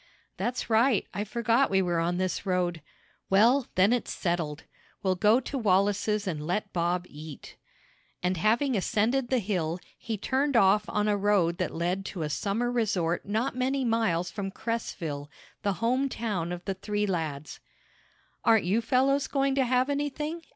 "That's right. I forgot we were on this road. Well, then it's settled. We'll go to Wallace's and let Bob eat," and having ascended the hill, he turned off on a road that led to a summer resort not many miles from Cresville, the home town of the three lads. "Aren't you fellows going to have anything?"